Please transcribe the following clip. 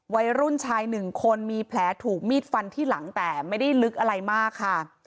วัยรุ่นชายหนึ่งคนมีแผลถูกมีดฟันที่หลังแต่ไม่ได้ลึกอะไรมากค่ะ